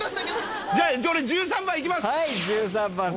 じゃ俺１３番いきます。